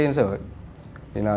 bến xe yên sở